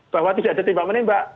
bahwa tidak ada tembak menembak